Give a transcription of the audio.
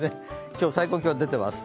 今日、最高気温が出ています。